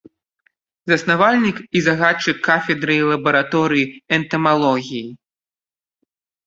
Заснавальнік і загадчык кафедры і лабараторыі энтамалогіі.